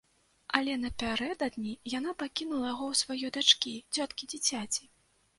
Але напярэдадні яна пакінула яго ў сваёй дачкі, цёткі дзіцяці.